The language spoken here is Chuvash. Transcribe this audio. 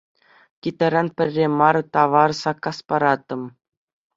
Китайран пӗрре мар тавар саккас параттӑм.